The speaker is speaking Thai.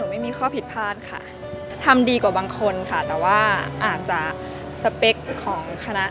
ไม่ไนจรับแบบเราทำเต็มความสามารถแล้วแหละ